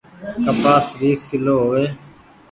ڪپآس ويس ڪلو هووي۔